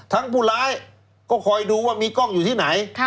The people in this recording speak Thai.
ผู้ร้ายก็คอยดูว่ามีกล้องอยู่ที่ไหน